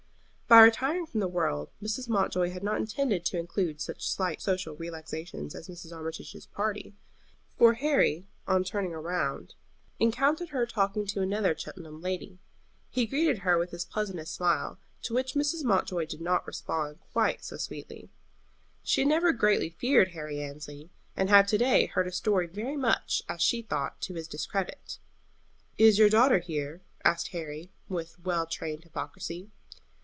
By retiring from the world Mrs. Mountjoy had not intended to include such slight social relaxations as Mrs. Armitage's party, for Harry on turning round encountered her talking to another Cheltenham lady. He greeted her with his pleasantest smile, to which Mrs. Mountjoy did not respond quite so sweetly. She had ever greatly feared Harry Annesley, and had to day heard a story very much, as she thought, to his discredit. "Is your daughter here?" asked Harry, with well trained hypocrisy.